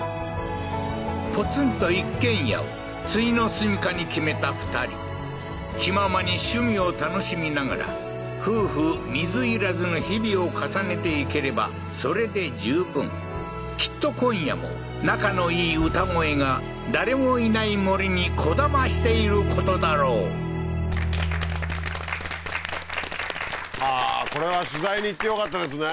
ポツンと一軒家を終の住処に決めた２人気ままに趣味を楽しみながら夫婦水入らずの日々を重ねていければそれで十分きっと今夜も仲のいい歌声が誰もいない森にこだましていることだろうはあーこれは取材に行ってよかったですね